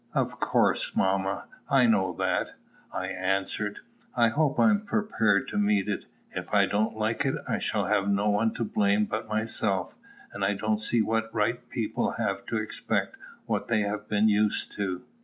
"Of course, mamma; I know that," I answered. "I hope I am prepared to meet it. If I don't like it, I shall have no one to blame but myself; and I don't see what right people have to expect what they have been used to."